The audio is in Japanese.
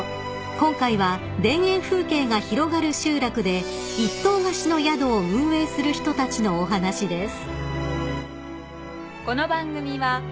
［今回は田園風景が広がる集落で一棟貸しの宿を運営する人たちのお話です］